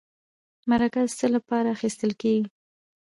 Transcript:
مرکه د څه لپاره اخیستل کیږي؟